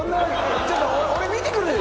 ちょっと俺見てくるよ！